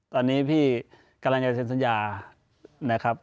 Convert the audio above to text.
ตอนนี้พี่กำลังจะเซ็นสัญญานะครับ